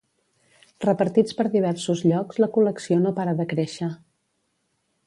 Repartits per diversos llocs la col·lecció no para de créixer